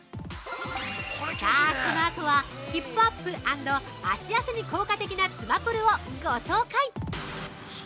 さあ、このあとはヒップアップ＆脚痩せに効果的なつまぷるをご紹介。